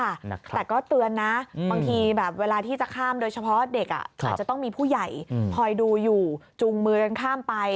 แต่ก็เตือนนะบางทีแบบเวลาที่จะข้ามโดยเฉพาะเด็กอาจจะต้องมีผู้ใหญ่คอยดูอยู่จุงมือกันข้ามไป